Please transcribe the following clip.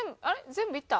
全部いった？